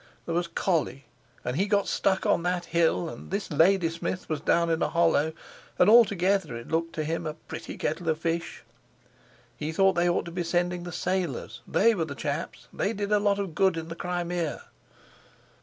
There was Colley—and he got stuck on that hill, and this Ladysmith was down in a hollow, and altogether it looked to him a "pretty kettle of fish"; he thought they ought to be sending the sailors—they were the chaps, they did a lot of good in the Crimea.